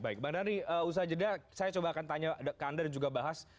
baik bang dhani usaha jeda saya coba akan tanya ke anda dan juga bahas